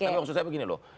tapi maksud saya begini loh